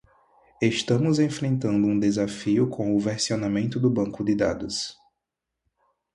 Estamos enfrentando um desafio com o versionamento do banco de dados.